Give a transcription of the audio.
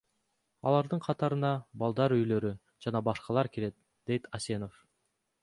Алардын катарына балдар үйлөрү жана башкалар кирет, – дейт Асенов.